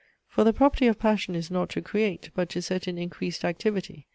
For the property of passion is not to create; but to set in increased activity.